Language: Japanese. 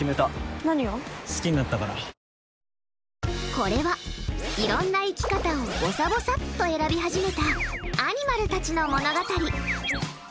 これは、いろんな生き方をぼさぼさっと選び始めたアニマルたちの物語。